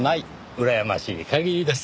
うらやましい限りです。